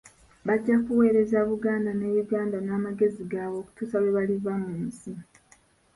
Bajja kuweereza Buganda ne Uganda n'amagezi gaabwe okutuusa lwe baliva mu nsi.